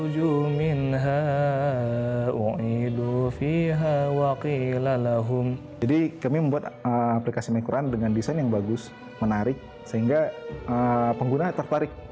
jadi kami membuat aplikasi main al quran dengan desain yang bagus menarik sehingga pengguna tertarik